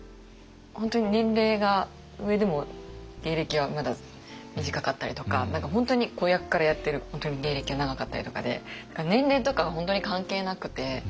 本当に年齢が上でも芸歴はまだ短かったりとか本当に子役からやってる芸歴が長かったりとかで年齢とか本当に関係なくて。